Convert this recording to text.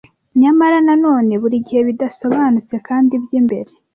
Nyamara na none, burigihe, bidasobanutse kandi byimbere,